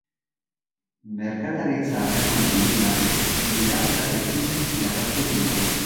Merkataritza-harreman gehienak Mirandarekin garatzen dira.